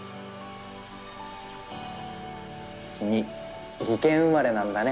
君技研生まれなんだね。